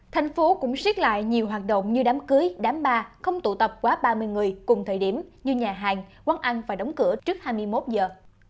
thành phố cũng xiết lại nhiều hoạt động như đám cưới đám ba không tụ tập quá ba mươi người cùng thời điểm như nhà hàng quán ăn phải đóng cửa trước hai mươi một giờ